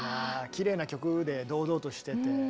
きれいな曲で堂々としてて。